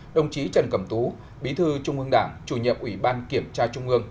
đồng chí trần cẩm tú bí thư trung ương đảng chủ nhiệm ủy ban kiểm tra trung ương